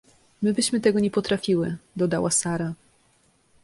— My byśmy tego nie potrafiły — dodała Sara.